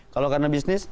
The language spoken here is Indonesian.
kalau karena bisnis